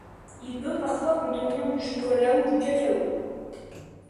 Il peut parfois contenir du chocolat ou du cacao.